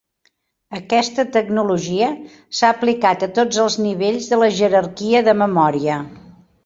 Aquesta tecnologia s’ha aplicat a tots els nivells de la jerarquia de memòria.